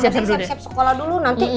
siap siap sekolah dulu